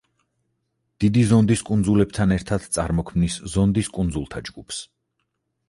დიდი ზონდის კუნძულებთან ერთად წარმოქმნის ზონდის კუნძულთა ჯგუფს.